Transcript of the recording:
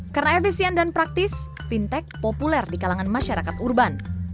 karena efisien dan praktis fintech populer di kalangan masyarakat urban